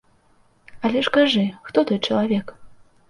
Але ж кажы, хто той чалавек?